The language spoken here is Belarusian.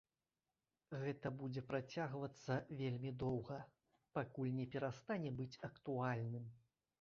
Гэта будзе працягвацца вельмі доўга, пакуль не перастане быць актуальным.